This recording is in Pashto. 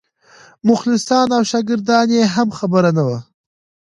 مخلصان او شاګردان یې هم خبر نه وو.